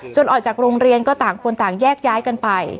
ออกจากโรงเรียนก็ต่างคนต่างแยกย้ายกันไป